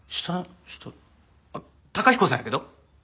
下崇彦さんやけど？